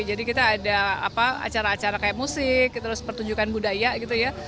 jadi kita ada acara acara kayak musik terus pertunjukan budaya gitu ya